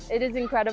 ini sangat luar biasa